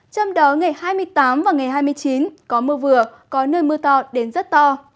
trong đó ngày hai mươi tám và ngày hai mươi chín có mưa vừa có nơi mưa to đến rất to